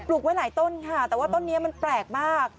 ลูกไว้หลายต้นค่ะแต่ว่าต้นนี้มันแปลกมาก